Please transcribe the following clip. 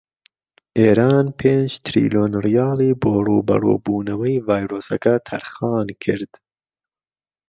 ئێران پێنج تریلۆن ڕیالی بۆ ڕووبەڕوو بوونەوەی ڤایرۆسەکە تەرخانکرد.